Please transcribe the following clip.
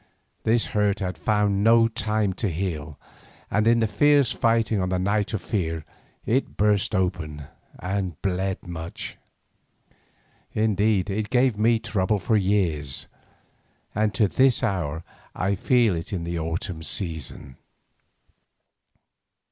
This hurt had found no time to heal, and in the fierce fighting on the Night of Fear it burst open and bled much. Indeed it gave me trouble for years, and to this hour I feel it in the autumn season.